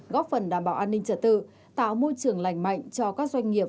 góp phần đảm bảo an ninh trật tự tạo môi trường lành mạnh cho các doanh nghiệp